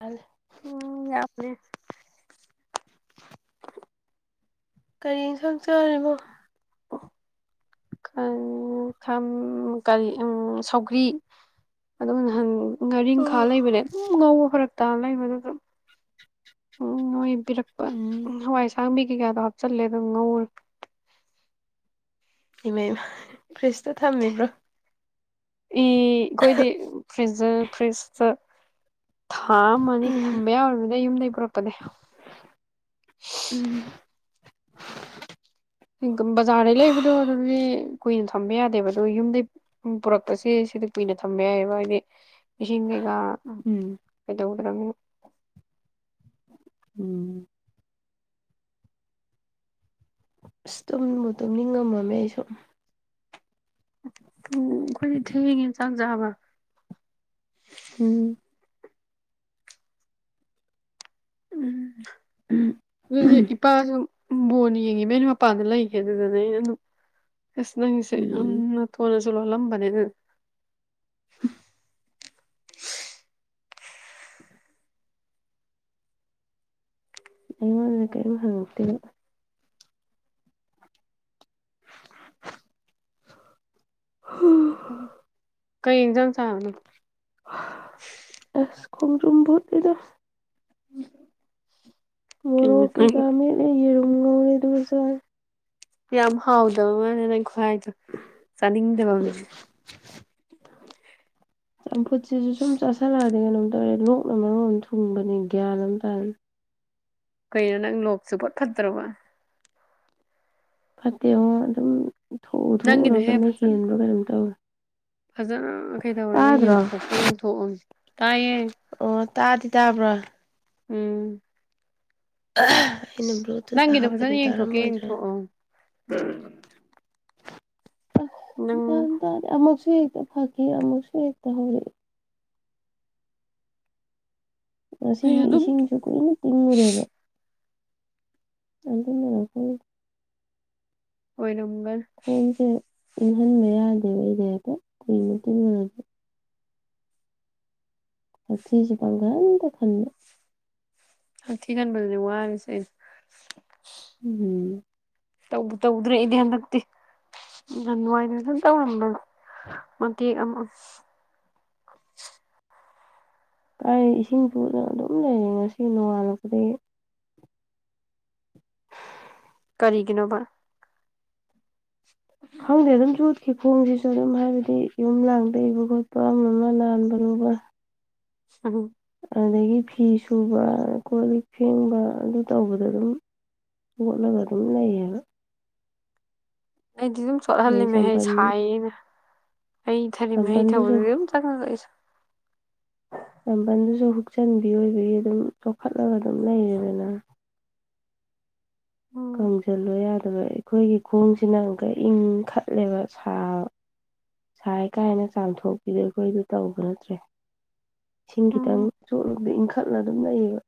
ꯑꯜ ꯎꯝ [unintelligible] ꯀꯔꯤ ꯏꯟꯁꯥꯡ ꯆꯔꯤꯕ ꯎꯡ ꯈꯝ ꯀꯔꯤ ꯎꯡ ꯁꯧꯒ꯭ꯔꯤ ꯑꯗꯨꯝꯅꯍꯟ ꯉꯥꯔꯤꯡꯈꯥ ꯂꯩꯕꯅꯦ ꯑꯗꯨꯝ ꯉꯧꯕ ꯐꯔꯛ ꯇꯥ ꯂꯩꯕꯗꯨꯗꯣ ꯑꯗꯨꯝ ꯎꯝ ꯃꯣꯏ ꯄꯤꯔꯛꯄ ꯎꯝ ꯍꯋꯥꯏ ꯑꯁꯥꯡꯕꯤ ꯀꯩꯀꯥꯗꯣ ꯍꯥꯞꯆꯜꯂꯦ ꯑꯗꯣ ꯉꯧꯔꯦ ꯏꯃꯩꯃ ꯐ꯭ꯔꯤꯁꯇ ꯊꯝꯃꯤꯕ꯭ꯔꯣ ꯏ ꯏꯈꯣꯏꯗꯤ ꯐ꯭ꯔꯤꯖꯔ ꯐ꯭ꯔꯤꯖꯇ ꯊꯥ ꯑꯃ ꯑꯅꯤ ꯎꯝ ꯊꯝꯕ ꯌꯥꯎꯝꯅꯤꯗ ꯌꯨꯝꯗꯩ ꯄꯨꯔꯛꯄꯗꯤ ꯎꯝ ꯕꯖꯥꯔꯗꯩ ꯂꯩꯕꯗꯣꯗꯨꯗꯤ ꯀꯨꯏꯅ ꯊꯝꯕ ꯌꯥꯗꯦꯕ ꯑꯗꯣ ꯌꯨꯝꯗꯩ ꯎ ꯄꯨꯔꯛꯄꯁꯤ ꯁꯤꯗ ꯀꯨꯏꯅ ꯊꯝꯕ ꯌꯥꯏꯑꯕ ꯍꯥꯏꯗꯤ ꯏꯁꯤꯡ ꯀꯩꯀꯥ ꯎꯝ ꯀꯩꯗꯧꯗ꯭ꯔꯃꯤꯅ ꯎꯝ ꯑꯁ ꯇꯨꯝꯕ ꯇꯨꯝꯅꯤꯡ ꯉꯝꯃꯝꯃꯦ ꯑꯩ ꯁꯨ ꯑꯈꯣꯏꯗꯤ ꯊꯦꯡꯉꯦ ꯆꯥꯛ ꯆꯥꯕ ꯎꯝ ꯎꯝ ꯎꯝ ꯑꯗꯨꯗꯤ ꯏꯄꯥꯁꯨ ꯕꯣꯟ ꯌꯦꯡꯉꯤꯃꯦꯅ ꯃꯄꯥꯟꯗ ꯂꯩꯈꯤ ꯑꯗꯨꯗꯅ ꯑꯩꯅ ꯑꯗꯨꯝ ꯑꯁ ꯅꯪꯁꯦ ꯎꯝ ꯊꯣꯟꯅꯁꯨ ꯂꯣꯜꯂꯝꯕꯅꯦ ꯑꯗꯨ ꯑꯩꯉꯣꯟꯗ ꯀꯔꯤꯝ ꯍꯪꯉꯛꯇꯦ ꯍꯥ ꯀꯩ ꯏꯤꯟꯖꯥꯡ ꯆꯅ ꯑꯦꯁ ꯈꯣꯡꯗ꯭ꯨꯝ ꯕꯨꯠꯂꯤꯗ ꯃꯣꯔꯣꯛ ꯀꯩ ꯀꯥ ꯃꯦꯠꯂꯦ ꯌꯦꯔꯨꯝ ꯉꯧꯔꯦ ꯑꯗꯨꯒ ꯆꯔꯦ ꯌꯥꯝ ꯍꯥꯎꯗꯕ ꯃꯅꯦ ꯅꯪ ꯈ꯭ꯋꯥꯏꯗꯣ ꯆꯥꯅꯤꯡꯗꯕ ꯃꯤ [inaudible] ꯆꯝꯐꯨꯠꯁꯤꯖꯨ ꯁꯨꯝ ꯆꯥꯥꯁꯜꯂꯛꯑꯗꯤ ꯀꯩꯅꯣꯝ ꯇꯧꯔꯦ ꯂꯣꯛꯅ ꯃꯔꯣꯝ ꯊꯨꯡꯕꯅꯦ ꯒ꯭ꯌꯥꯟꯑꯝ ꯇꯥꯔ ꯀꯩꯅꯣ ꯅꯪ ꯂꯣꯛꯁꯨꯡꯐꯠ ꯐꯠꯇ꯭ꯔꯕ ꯐꯠꯇꯦꯉꯣ ꯑꯗꯨꯝ ꯊꯣꯛꯎ ꯅꯪꯒꯤꯗꯨꯍꯦ ꯊꯣꯛꯎꯔꯒꯅ ꯐꯖꯅ ꯍꯦꯟꯕ꯭ꯔꯥ ꯀꯩꯅꯣꯝ ꯇꯧꯋꯦ ꯐꯖꯅ ꯀꯩꯗꯧꯔꯒ ꯇꯥꯗ꯭ꯔꯣ ꯌꯦꯡꯊꯣꯛꯀꯦ ꯌꯦꯡꯊꯣꯛꯑꯝ ꯇꯥꯏꯌꯦ ꯑꯣ ꯇꯥꯗꯤ ꯇꯥꯕ꯭ꯔꯣ ꯎꯝ [unintelligible] ꯕ꯭ꯂꯨꯇꯨꯠ ꯅꯪꯒꯤꯗꯨꯝ ꯍꯥꯞꯄꯅꯦ ꯐꯖꯅ ꯌꯦꯡꯊꯣꯛꯀꯦ ꯇꯥꯔꯝꯃꯣꯏꯗ꯭ꯔꯅ ꯌꯦꯡꯊꯣꯛꯑꯣ ꯅꯪ ꯒ꯭ꯌꯥꯟ ꯇꯥꯗꯦ ꯑꯃꯛꯁꯨ ꯍꯦꯛꯇ ꯐꯒꯤ ꯑꯃꯛꯁꯨ ꯍꯦꯛꯇ ꯍꯧꯔꯛꯏ ꯍꯣꯏ ꯉꯁꯤꯒꯤ ꯑꯗꯨꯝ ꯏꯁꯤꯡꯁꯨ ꯀꯨꯏꯅ ꯀꯨꯏꯅ ꯂꯩꯕ ꯑꯗꯨꯅ ꯑꯀꯣ ꯑꯣꯏꯔꯝꯒꯅꯤ ꯈꯣꯡꯁꯦ ꯏꯪꯍꯟꯕ ꯌꯥꯗꯦꯕ ꯑꯩꯅꯦꯀꯣ ꯀꯨꯏꯅ ꯇꯨꯝꯃꯨꯔꯗꯤ ꯍꯥꯛꯊꯤꯁꯨ ꯄꯪꯈꯟꯗ ꯈꯜꯂꯦ ꯍꯥꯛꯊꯤ ꯈꯟꯕꯁꯤꯅꯦ ꯋꯥꯔꯤꯁꯦ ꯑꯩꯅ ꯎꯝ ꯇꯧꯕꯨ ꯇꯧꯗ꯭ꯔꯦ ꯑꯩꯗꯤ ꯍꯟꯗꯛꯇꯤ ꯖꯟꯅꯋꯥꯔꯤꯗꯖꯨ ꯇꯧꯔꯝꯕꯅꯦ ꯃꯇꯦꯛ ꯑꯃ ꯀꯥꯏ ꯏꯁꯤꯡ ꯆꯣꯠꯂ ꯑꯗꯨꯝ ꯂꯩꯔꯦ ꯉꯁꯤ ꯅꯣꯡꯉꯥꯜꯂꯛꯄꯗꯒꯤ ꯀꯔꯤꯒꯤꯅꯣꯕ ꯈꯪꯗꯦ ꯑꯗꯨꯝ ꯆꯣꯠꯈꯤ ꯈꯣꯡꯁꯤꯁꯨ ꯑꯗꯨꯝ ꯍꯥꯏꯕꯗꯤ ꯌꯨꯝ ꯂꯥꯡꯗꯩꯕ ꯈꯣꯠꯄ ꯑꯃ ꯑꯃ ꯅꯥꯟꯕꯅꯣꯕ [unintelligible] ꯑꯗꯨꯗꯒꯤ ꯐꯤ ꯁꯨꯕ ꯑ ꯀꯣꯠ ꯂꯤꯛ ꯐꯦꯡꯕ ꯑꯗꯨ ꯇꯧꯕꯗ ꯑꯗꯨꯝ ꯃꯣꯠꯂꯒ ꯑꯗꯨꯝ ꯂꯩꯌꯦꯕ ꯑꯩꯗꯤ ꯑꯗꯨꯝ ꯑꯗꯩ ꯆꯣꯠꯍꯜꯂꯤꯝꯃꯦꯍꯦ ꯆꯝꯄꯜ ꯁꯥꯏꯅ ꯑꯩ ꯏꯊꯔꯤ ꯃꯍꯩ ꯆꯝꯄꯜꯗꯨꯁꯨ ꯊꯕꯗꯗꯤ ꯑꯗꯨꯝ ꯑꯗꯨꯅꯦ ꯑꯩꯁꯨ ꯆꯝꯕꯜꯗꯨꯁꯨ ꯍꯨꯛꯆꯟꯕꯤ ꯑꯣꯏꯕꯒꯤ ꯑꯗꯨꯝ ꯇꯣꯡꯈꯠꯂꯒ ꯑꯗꯨꯝ ꯂꯩꯔꯦꯗꯅꯥ ꯎꯝ ꯀꯪꯖꯜꯂꯣ ꯌꯥꯗꯕ ꯑꯩ ꯑꯩꯈꯣꯏꯒꯤ ꯈꯣꯡꯁꯤꯅ ꯑꯃꯨꯛꯀ ꯏꯪꯈꯠꯂꯦꯕ ꯁꯥ ꯁꯥꯏ ꯀꯥꯏꯅ ꯆꯥꯝꯊꯣꯛꯄꯤꯗꯣ ꯑꯩꯈꯣꯏꯗꯤ ꯇꯧꯕ ꯅꯠꯇ꯭ꯔꯦ ꯏꯁꯤꯡ ꯈꯤꯇꯪ ꯎꯝ ꯆꯣꯠꯂꯨꯕꯗ ꯏꯟꯈꯠꯂ ꯑꯗꯨꯝ ꯂꯩꯌꯦꯕ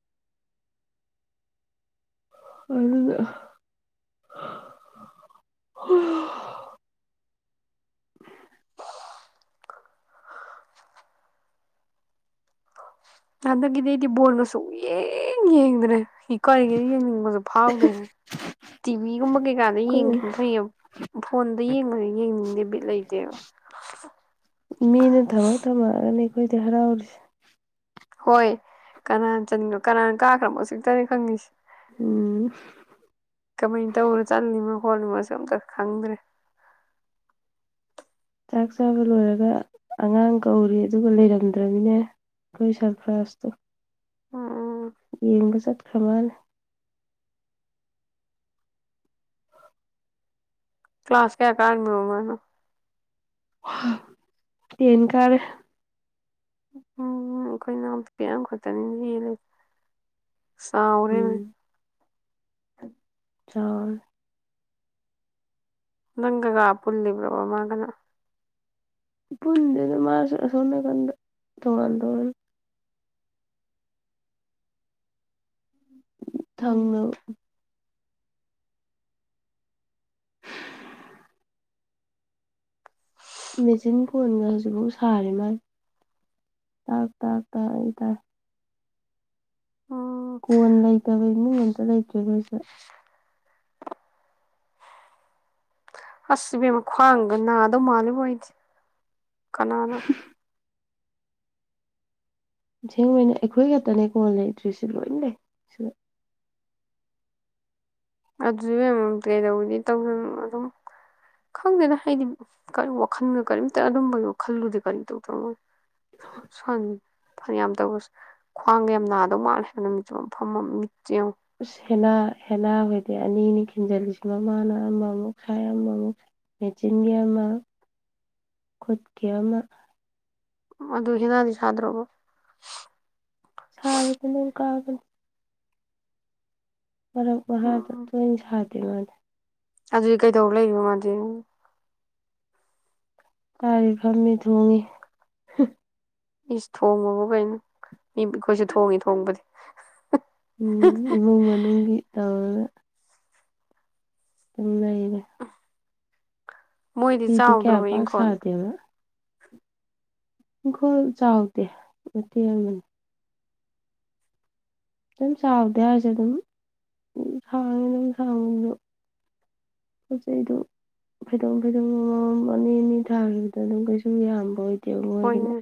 ꯍꯣꯏ ꯑꯗꯨꯗꯣ [inaudible] ꯍꯟꯗꯗꯛꯒꯤꯗꯤ ꯑꯩꯗꯤ ꯕꯣꯜꯅ ꯁꯨꯛꯌꯦꯡ ꯌꯦꯡꯗ꯭ꯔꯦ ꯂꯩꯀꯥꯏꯒꯤꯅꯤꯅ ꯌꯦꯡꯅꯤꯡꯕꯁꯨ ꯐꯥꯎꯗ꯭ꯔꯦ ꯇꯤꯚꯤꯒꯨꯝꯕ ꯀꯩꯀꯥꯗ ꯑꯩꯈꯣꯏ ꯌꯦꯡꯈꯤꯝꯅ ꯐꯩꯌꯦꯕ ꯐꯣꯟꯗ ꯌꯦꯡꯕꯗꯤ ꯌꯦꯡꯅꯤꯡꯗꯦ ꯕꯤꯠ ꯂꯩꯇꯦꯕ ꯃꯤꯅ ꯊꯝꯃꯛ ꯊꯝꯃꯛꯑꯒꯅꯦ ꯑꯩꯈꯣꯏꯗꯤ ꯍꯔꯥꯎꯔꯤꯁꯦ ꯍꯣꯏ ꯀꯅꯥꯅ ꯆꯟꯉ ꯀꯅꯥꯅ ꯀꯥꯈ꯭ꯔꯕꯣ ꯁꯤꯈꯛꯇꯅꯤ ꯈꯪꯉꯤꯁꯤ ꯎꯝ ꯀꯃꯥꯏꯟ ꯇꯧꯔꯣ ꯆꯜꯂꯤꯅꯣ ꯈꯣꯠꯂꯤꯃꯣꯁꯨ ꯑꯝꯇ ꯈꯪꯗ꯭ꯔꯦ ꯆꯥꯛ ꯆꯥꯕ ꯂꯣꯏꯔꯒ ꯑꯉꯥꯡ ꯀꯧꯔꯤ ꯑꯗꯨꯒ ꯂꯩꯔꯝꯗ꯭ꯔꯝꯅꯤꯅꯦ ꯇꯨꯏ ꯁꯔꯄ꯭ꯔꯥꯏꯁ ꯇꯣ ꯑꯥ ꯑꯥ ꯌꯦꯡꯕ ꯆꯠꯈ꯭ꯔ ꯃꯥꯅꯦ ꯀ꯭ꯂꯥꯁ ꯀꯌꯥ ꯀꯥꯔꯤꯝꯅꯣ ꯃꯥꯁꯨ ꯇꯦꯟ ꯀꯥꯔꯤ ꯎꯝ ꯑꯩꯈꯣꯏꯅ ꯏꯅꯥꯎꯄꯤ ꯑꯝ ꯈꯠꯇꯅꯤꯅ ꯍꯦꯜꯂꯦ ꯆꯥꯎꯔꯦꯅꯦ ꯎꯝ ꯆꯥꯎꯔꯦ ꯅꯪꯒꯀ ꯄꯨꯜꯂꯤꯕ꯭ꯔꯣ ꯃꯥꯒꯅ ꯄꯨꯟꯗꯦꯗꯥ ꯃꯥꯁꯨ ꯑꯁꯣꯟ ꯅꯥꯀꯟꯗ ꯇꯣꯉꯥꯟ ꯇꯣꯉꯥꯟꯅꯤ ꯎꯝ ꯊꯪꯅꯨ ꯃꯦꯆꯤꯟ ꯀꯣꯟꯒ ꯍꯧꯖꯤꯛꯐꯥꯎ ꯁꯥꯔꯤ ꯃꯥꯏ ꯇꯥꯛ ꯇꯥꯛ ꯇꯛꯇꯥꯏ ꯎꯝ ꯀꯣꯟ ꯂꯩꯇꯕ ꯏꯃꯨꯡ ꯑꯝꯇ ꯂꯩꯇ꯭ꯔꯦ ꯑꯩꯈꯣꯏꯁꯤꯗ ꯑꯁ ꯏꯕꯦꯝꯃ ꯈ꯭ꯋꯥꯡꯒ ꯅꯥꯗꯧ ꯃꯥꯜꯂꯤꯕꯣ ꯑꯩꯗꯤ ꯀꯅꯥꯅ [inaudible] ꯑꯁꯦꯡꯕꯩꯅꯦ ꯑꯩꯈꯣꯏ ꯈꯛꯇꯅꯦꯀꯣꯟ ꯂꯩꯇ꯭ꯔꯤꯁꯦ ꯂꯣꯏ ꯂꯩ ꯁꯤꯗ ꯑꯗꯨ ꯏꯕꯦꯃꯝ ꯀꯩꯗꯧꯔꯨꯅꯤ ꯇꯧꯔꯨꯅꯨ ꯑꯗꯨꯝ ꯈꯪꯗꯦꯗ ꯑꯩꯗꯤ ꯀꯔꯤ ꯋꯥꯈꯟꯒ ꯀꯔꯤꯝꯇ ꯑꯗꯨꯝꯕꯒꯤ ꯋꯥꯈꯜꯗꯨꯗꯤ ꯀꯔꯤꯝ ꯇꯧꯗꯧ__ ꯁꯣ ꯁ꯭ꯋꯥꯟꯅꯤ ꯐꯥꯅ ꯌꯥꯝ ꯇꯧꯕꯁꯦ ꯈ꯭ꯋꯥꯡꯗ ꯌꯥꯝ ꯅꯥꯗꯧ ꯃꯥꯥꯟꯂꯦ ꯅꯨꯃꯤꯠ ꯆꯨꯞꯄ ꯐꯝꯃ ꯃꯤꯠ ꯆꯦꯡꯉꯨ ꯑꯁ ꯍꯦꯅꯥ ꯍꯦꯅꯥꯈꯣꯏꯗꯤ ꯑꯅꯤ ꯑꯅꯤ ꯈꯤꯟꯖꯜꯂꯤꯁꯦ ꯃꯃꯥꯅ ꯑꯃꯃꯨꯛ ꯁꯥꯏ ꯑꯃꯃꯨꯛ ꯁꯥꯏ ꯃꯦꯆꯤꯟꯒꯤ ꯑꯃ ꯈꯨꯠ ꯀꯤ ꯑꯃ ꯑꯗꯨ ꯍꯤꯅꯥꯗꯤ ꯁꯥꯗ꯭ꯔꯥꯕꯣ ꯁꯥꯔꯤꯕꯅꯦꯡ ꯀꯥꯕꯅꯦ ꯃꯔꯛ ꯃꯍꯥꯗ ꯎꯝ ꯇꯣꯏꯅ ꯁꯥꯗꯦ ꯃꯥꯗꯤ ꯑꯗꯨꯗꯤ ꯀꯩꯗꯧꯔ ꯂꯩꯔꯤꯕ ꯃꯥꯗꯤ ꯇꯥꯔꯤ ꯐꯝꯃꯤ ꯊꯣꯡꯉꯤ ꯏꯁ ꯊꯣꯡꯕꯕꯨ ꯀꯩꯅꯣ ꯃꯤ ꯑꯩꯈꯣꯏꯁꯨ ꯊꯣꯡꯉꯤ ꯊꯣꯡꯕꯗꯤ ꯎꯝ ꯏꯃꯨꯡ ꯃꯅꯨꯡꯒꯤ ꯇꯧꯏ__ ꯎꯝ ꯂꯩꯔꯦ ꯃꯣꯏꯗꯤ ꯐꯤꯗꯤ ꯀꯌꯥ ꯆꯥꯎꯗ꯭ꯔꯣꯕ ꯄꯥꯛ ꯏꯪꯈꯣꯟ ꯁꯥꯗꯦꯕ ꯏꯪꯈꯣꯜ ꯆꯥꯎꯗꯦ ꯃꯇꯦꯛ ꯑꯃꯅꯤ ꯑꯗꯨꯝ ꯆꯥꯎꯗꯦ ꯍꯥꯏꯔꯤꯁꯦ ꯑꯗꯨꯝ ꯎꯝ ꯁꯥꯡꯉꯤ ꯑꯗꯨꯝ ꯁꯥꯡꯕꯗꯣ ꯄꯣꯠ ꯆꯩꯗꯣ ꯐꯩꯗꯣꯡ ꯐꯩꯗꯣꯡ ꯑꯃꯃꯝ ꯑꯅꯤ ꯑꯅꯤ ꯊꯥꯒꯤꯕꯗ ꯑꯗꯨꯝ ꯀꯩꯁꯨꯝ ꯌꯥꯝꯕ ꯑꯣꯏ__ ꯍꯣꯏꯅꯤ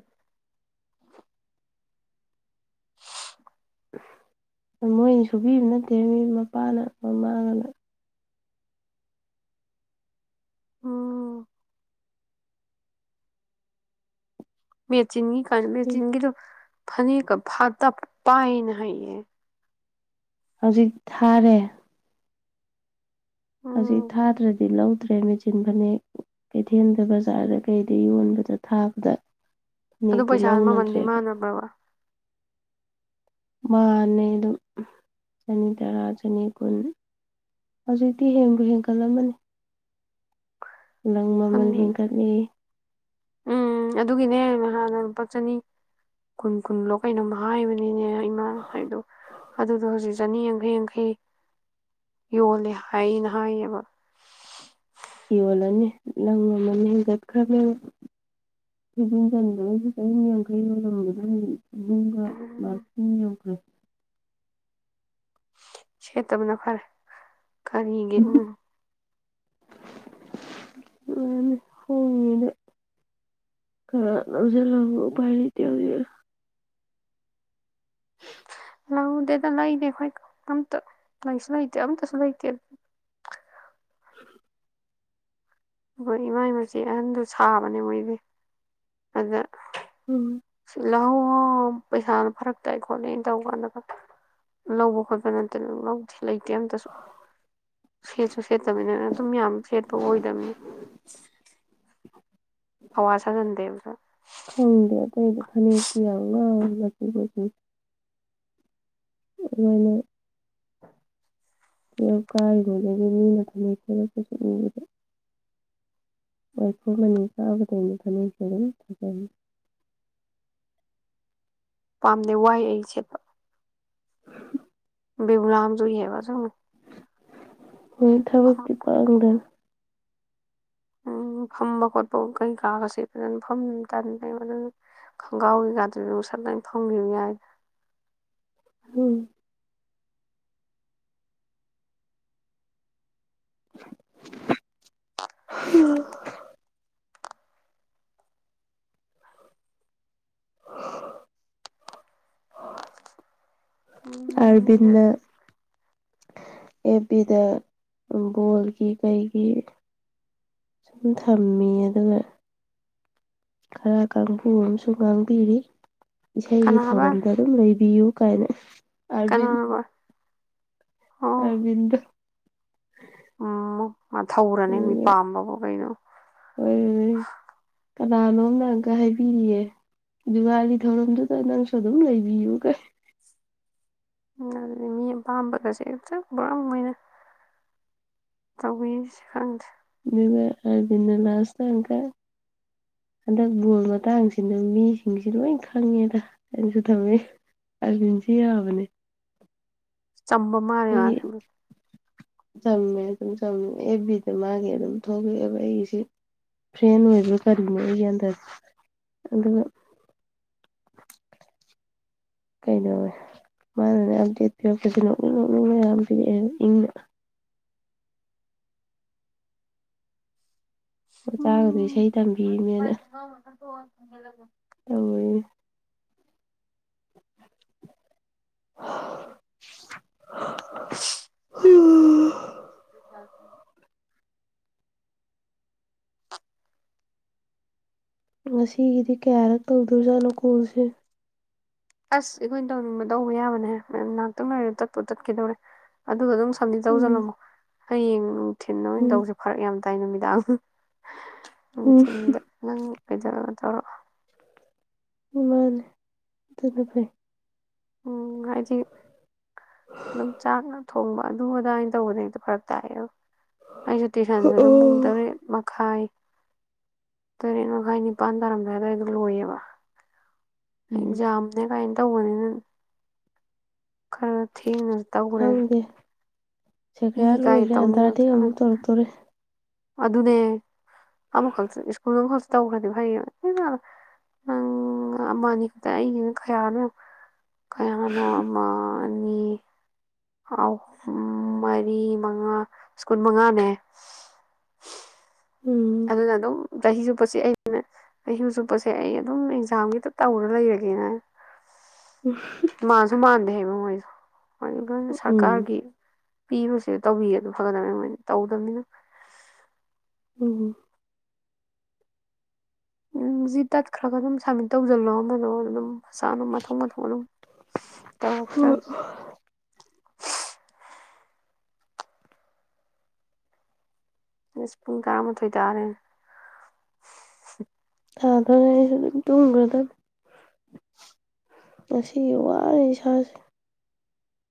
ꯃꯣꯏꯅ ꯁꯨꯕꯤꯕ ꯅꯠꯇꯦ ꯃꯤ ꯃꯄꯥꯅ ꯃꯃꯥꯒꯅ ꯎꯝ ꯃꯦꯆꯤꯟꯒꯤ ꯀꯥꯏꯅ ꯎꯝ ꯃꯦꯆꯤꯟꯒꯤꯗꯣ ꯐꯅꯦꯛꯀ ꯐꯥꯠꯇꯞ ꯄꯥꯏꯅ ꯍꯥꯏꯌꯦ ꯍꯧꯖꯤꯛ ꯊꯥꯔꯦ ꯍꯧꯖꯤꯛ ꯎꯝ ꯊꯥꯗ꯭ꯔꯗꯤ ꯂꯧꯗ꯭ꯔꯦ ꯃꯦꯆꯤꯟ ꯐꯅꯦꯛ ꯀꯩꯊꯦꯟꯗ ꯕꯖꯥꯔꯗ ꯀꯩꯗ ꯌꯣꯟꯕꯗ ꯊꯥꯕꯗ ꯐꯅꯦꯛꯇꯨ ꯂꯧꯅꯗ꯭ꯔꯦꯕ ꯃꯕꯥꯋꯥ ꯃꯥꯥꯟꯅꯦ ꯑꯗꯨꯝ ꯆꯅꯤ ꯇꯔꯥ ꯆꯅꯤ ꯀꯨꯟ ꯍꯧꯖꯤꯛꯇꯤ ꯍꯦꯟꯕꯨ ꯍꯦꯟꯀꯠꯂꯝꯃꯅꯤ ꯂꯪ ꯃꯃꯜ ꯍꯦꯟꯀꯠꯅꯤ ꯎꯝ ꯑꯗꯨꯒꯤꯅꯦ ꯉꯍꯥꯟꯅ ꯂꯨꯄꯥ ꯆꯅꯤ ꯀꯨꯟ ꯀꯨꯟꯂꯣ ꯀꯩꯅꯣꯝ ꯍꯥꯏꯕꯅꯤꯅꯦ ꯏꯃꯥꯅ ꯍꯥꯏꯗꯣ ꯑꯗꯨꯗꯣ ꯍꯧꯖꯤꯛ ꯆꯅꯤ ꯌꯥꯡꯈꯩ ꯌꯥꯡꯈꯩ ꯌꯣꯜꯂꯦ ꯍꯥꯏꯌꯦꯅ ꯍꯥꯏꯌꯦꯕ ꯌꯣꯜꯂꯅꯤ ꯂꯪ ꯃꯃꯟ ꯍꯦꯟꯒꯠꯈ꯭ꯔꯝꯅꯦꯕ ꯐꯤꯖꯤꯟ ꯆꯟꯕꯗ ꯆꯥꯅꯤ ꯌꯥꯡꯈꯩ ꯌꯣꯜꯂꯝꯕꯗꯣ ꯏꯌꯨꯡꯒ ꯎꯝ ꯕꯥꯁꯤ ꯌꯧꯈ꯭ꯔꯦ ꯁꯦꯠꯇꯕꯅ ꯐꯔꯦ ꯀꯔꯤꯒꯤ ꯎꯝ ꯂꯣꯏꯌꯦꯅꯦ ꯍꯣꯡꯉꯤꯉꯩꯗ ꯈꯔ ꯂꯧꯖꯤꯜꯍꯧꯕ ꯎꯄꯥꯏꯂꯩꯇꯦ ꯍꯧꯖꯤꯛ ꯂꯧꯗꯦꯗ ꯂꯩꯗꯦ ꯑꯈꯣꯏ ꯀꯩꯝꯇ ꯂꯩꯁꯨ ꯂꯩꯇꯦ ꯑꯝꯇꯁꯨ ꯂꯩꯇꯦ [inaudible] ꯑꯩꯈꯣꯏ ꯏꯃꯥꯏ ꯃꯆꯦ ꯑꯍꯟꯗꯨ ꯁꯥꯕꯅꯦ ꯃꯣꯏꯗꯤ ꯑꯗ ꯎꯝ ꯁꯤꯜ ꯂꯍꯧꯑꯣ ꯄꯩꯁꯥꯅ ꯐꯔꯛꯇꯥꯏ ꯈꯣꯠꯂꯩꯅ ꯇꯧꯕ ꯀꯥꯟꯗ ꯂꯧꯕ ꯈꯣꯠꯄ ꯅꯠꯇꯅ ꯂꯧꯗꯦ ꯂꯩꯇꯦ ꯑꯝꯇꯁꯨ ꯁꯦꯠꯁꯨ ꯁꯦꯠꯇꯕꯅꯤꯅ ꯑꯗꯨꯝ ꯌꯥꯝ ꯁꯦꯠꯄ ꯑꯣꯏꯗꯕꯅꯤ ꯍꯧꯋꯥ ꯁꯥꯖꯟꯗꯦꯕꯁꯨ ꯈꯪꯗꯦ ꯑꯇꯩꯗꯤ ꯐꯅꯦꯛꯇꯤ ꯌꯥꯝ ꯉꯥꯎꯋꯦꯕꯕꯨꯗꯤ ꯃꯣꯏꯅ [unintelligible] ꯂꯩꯀꯥꯏ ꯗꯨꯗꯗꯤ [unintelligible] [inaudible] ꯄꯥꯝꯗꯦ ꯋꯥꯏ ꯑꯩ ꯁꯦꯠꯄ ꯕꯤꯕꯨꯂꯥ ꯑꯝ ꯆꯨꯏꯌꯦꯕ ꯁꯨꯝ ꯍꯣꯏ ꯊꯕꯛꯇꯤ ꯄꯥꯡꯗꯅ ꯎꯝ ꯐꯝꯕ ꯈꯣꯠꯄ ꯀꯩꯀꯥꯒꯁꯤ ꯐꯖꯅ ꯐꯝ ꯇꯟꯕꯩ [unintelligible] ꯈꯣꯡꯒꯒꯥꯎ ꯀꯩꯀꯥ [unintelligible] ꯎꯝ [unintelligible] ꯎꯝ ꯑꯥꯔꯕꯤꯟꯗ ꯑꯦꯞ ꯄꯤꯗ ꯕꯣꯜꯒꯤ ꯀꯩꯒꯤ ꯁꯨꯝ ꯊꯝꯃꯤ ꯑꯗꯨꯒ ꯈꯔ ꯀꯥꯡꯕꯨ ꯑꯃꯁꯨ ꯉꯥꯡꯕꯤꯔꯤ ꯏꯁꯩꯒꯤ ꯀꯅꯥꯕ ꯊꯧꯔꯝꯗ ꯑꯗꯨꯝ ꯂꯩꯕꯤꯌꯨ ꯀꯥꯏꯅ ꯑꯥꯔꯕꯤꯟ ꯀꯅꯥꯕ ꯑꯣ ꯑꯥꯔꯕꯤꯟꯗ ꯎꯝ ꯃꯊꯧꯔꯅꯦ ꯃꯤ ꯄꯥꯝꯕꯕꯨ ꯀꯩꯅꯣ ꯍꯣꯏ ꯀꯅꯥꯅꯣꯝꯅꯒ ꯍꯥꯏꯕꯤꯔꯤꯌꯦ ꯖꯨꯒꯥꯂꯤ ꯊꯧꯔꯝꯗꯨꯗ ꯅꯪꯁꯨ ꯑꯗꯨꯝ ꯂꯩꯕꯤꯌꯨ ꯀꯩ [unintelligible] ꯑꯄꯥꯝꯕꯒꯁꯦ ꯍꯛꯇ ꯄꯣꯔꯝ ꯑꯣꯏꯅ ꯇꯧꯕꯤ ꯁꯤ ꯈꯪꯗ꯭ꯔꯦ ꯑꯗꯨꯒ ꯑꯗꯨꯅ ꯂꯥꯁꯇꯀꯥ ꯍꯟꯗꯛ ꯕꯣꯜ ꯃꯇꯥꯡꯁꯤꯅ ꯃꯤꯁꯤꯡꯁꯤ ꯂꯣꯏ ꯈꯪꯉꯦꯗ ꯑꯩꯅꯁꯨ ꯊꯝꯃꯦ ꯑꯔꯖꯤꯁꯤ ꯌꯥꯕꯅꯦ ꯁꯝꯕ ꯃꯥꯅ ꯑꯩꯒꯤ [unintelligible] ꯆꯝꯃꯦ ꯑꯗꯨꯝ ꯆꯝꯃꯦ ꯑꯦꯞ ꯕꯤꯗ ꯃꯥꯒꯤ ꯑꯗꯨꯝ ꯊꯣꯛꯂꯛꯑꯦꯕ ꯑꯩꯁꯦ ꯐ꯭ꯔꯦꯟ ꯑꯣꯏꯕ꯭ꯔ ꯀꯔꯤꯅꯣ ꯑꯩ ꯒꯌꯥꯟ ꯇꯥꯗꯦ ꯑꯗꯨꯒ ꯀꯩꯅꯧ ꯃꯥꯅꯅꯦ ꯑꯞꯗꯦꯠ ꯄꯤꯔꯛꯄꯁꯦ ꯅꯣꯛꯅꯤꯡ ꯅꯣꯛꯅꯤꯡ ꯃꯌꯥꯝ ꯄꯤꯔꯛꯑꯦ ꯏꯪꯅ ꯑꯣꯛꯆꯥꯒꯗꯨ ꯏꯁꯩ ꯇꯝꯕꯤꯅꯦꯅ [unintelligible] ꯍꯜꯂꯕꯣ ꯇꯧꯋꯤꯅꯤ [inaudible] [inaudible] ꯉꯁꯤꯒꯤꯗꯤ ꯀꯌꯥꯔꯛ ꯇꯧꯗꯣꯏꯖꯥꯠꯅꯣ ꯀꯣꯜꯁꯦ ꯑꯁ ꯑꯩꯈꯣꯏꯅ ꯇꯧꯅꯤꯡꯕ ꯇꯧꯕ ꯌꯥꯕꯅꯦ ꯃ ꯉꯥꯏꯍꯥꯛꯇꯪ ꯂꯩꯔ ꯇꯠꯄꯨ ꯇꯠꯈꯤꯗꯧꯔꯦ ꯑꯗꯨꯒ ꯑꯗꯨꯝ [unintelligible] ꯎꯝ ꯇꯧꯖꯜꯂꯝꯃꯣ ꯍꯌꯦꯡ ꯅꯨꯡꯊꯤꯟ ꯑꯣꯏꯅ ꯎꯝ ꯇꯧꯖꯦ ꯐꯔꯛ ꯌꯥꯝ ꯇꯥꯏ ꯅꯨꯃꯤꯗꯥꯡ ꯎꯝ ꯅꯨꯡꯊꯤꯟꯗ ꯅꯪ [unintelligible] ꯇꯧꯔꯣꯑꯣ ꯃꯥꯅꯦ ꯑꯗꯨꯅ ꯐꯩ ꯎꯝ ꯍꯥꯏꯗꯤ ꯑꯗꯨꯝ ꯆꯥꯛꯅ ꯊꯣꯡꯕ ꯑꯗꯨ ꯑꯗꯥ ꯍꯥꯏꯅ ꯇꯧꯕꯗ ꯍꯦꯛꯇ ꯐꯔꯛ ꯇꯥꯏꯌꯦꯕ ꯑꯩꯖꯨ ꯇꯨꯏꯁꯟꯖꯤꯗꯨꯝ ꯄꯨꯡ ꯇꯔꯦꯠ ꯃꯈꯥꯏ ꯇꯔꯦꯠ ꯃꯈꯥꯏ ꯅꯤꯄꯥꯟ ꯇꯥꯔꯝꯗꯥꯏ ꯑꯗꯥꯏꯗ ꯂꯣꯏꯌꯦꯕ ꯎꯝ ꯍꯌꯦꯡꯖꯥꯝꯅꯦ ꯀꯥꯏꯟ ꯇꯧꯕꯅꯤꯅ ꯈꯔ ꯊꯦꯡꯅꯖꯨ ꯇꯧꯒ꯭ꯔꯦ ꯁꯦꯀ꯭ꯔꯦꯍꯥꯔꯗ ꯂꯣꯏꯒ꯭ꯔꯦ ꯑꯟꯇꯥꯔꯇꯤꯛ ꯇꯧꯅꯤꯡꯉꯛꯇꯅ ꯑꯃꯨꯛ ꯇꯧꯔꯛꯇꯣꯔꯦ ꯑꯗꯨꯅꯦ ꯑꯃꯈꯛꯁꯨ ꯁ꯭ꯀꯨꯜ ꯑꯃꯈꯛꯁꯨ ꯇꯧꯈ꯭ꯔꯗꯤ ꯐꯩꯌꯦꯕ ꯏꯃꯥ ꯅꯪ ꯑꯃꯅꯤ ꯈꯛꯇ ꯑꯩꯒꯤꯅ ꯈꯌꯥꯅꯣ ꯌꯦꯡꯉꯣ ꯀꯌꯥꯅꯣ ꯑꯃ ꯑꯅꯤ ꯑꯍꯨꯝ ꯃꯔꯤ ꯃꯉꯥ ꯁ꯭ꯀꯨꯟ ꯃꯉꯥꯅꯦ ꯎꯝ ꯑꯗꯨꯅ ꯑꯗꯨꯝ ꯆꯍꯤ ꯆꯨꯞꯄꯁꯦ ꯑꯩꯅ ꯆꯍꯤ ꯆꯨꯞꯄꯁꯦ ꯑꯩ ꯑꯗꯨꯝ ꯑꯦꯛꯖꯥꯝꯒꯤꯗ ꯇꯧꯔ ꯂꯩꯔꯒꯦꯅ [unintelligible] ꯃꯥꯟꯁꯨ ꯃꯥꯟꯗꯦ ꯍꯥꯏꯕ ꯃꯣꯏꯁꯨ [unintelligible] ꯎꯝ ꯁꯔꯀꯥꯔꯒꯤ ꯄꯤꯕꯁꯦ ꯇꯧꯕꯤꯔꯗꯤ ꯐꯒꯗꯝꯅꯦ ꯃꯣꯏꯅ ꯇꯧꯗꯝꯅꯤꯅ [unintelligible] ꯎꯝ ꯖꯤ ꯇꯠꯈ꯭ꯔꯒ ꯗꯨꯝ ꯁꯝꯃꯤꯠ ꯇꯧꯖꯜꯂꯣ ꯗꯨꯗꯨꯒ ꯑꯗꯨꯝ ꯃꯁꯥꯗꯣ [unintelligible] ꯇꯧꯔꯛꯇ꯭ꯔꯥꯅꯦ ꯑꯁ ꯄꯨꯡ ꯇꯔꯥꯃꯥꯊꯣꯏ ꯇꯥꯔꯦ ꯇꯥꯗꯣꯔꯦ ꯑꯩꯖꯨ ꯗꯨꯝ ꯇꯨꯝꯒ꯭ꯔꯗꯧꯅꯤ ꯉꯁꯤꯒꯤ ꯋꯥꯔꯦ ꯏꯁꯥꯖꯤ